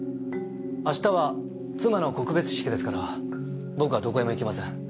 明日は妻の告別式ですから僕はどこへも行きません。